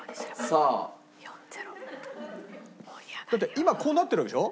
だって今こうなってるわけでしょ？